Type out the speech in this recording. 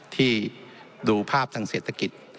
ที่ดูภาพทางเศรษฐกิจ